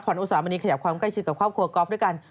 ขวานอุตสาหรับวันนี้ขยับความใกล้ชิดกับครอบครัวกอล์ฟด้วยกัน